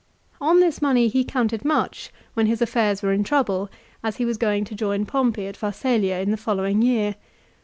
On this money he counted much when his affairs were in trouble, as he was going to join Pompey at Pharsalia in the following year.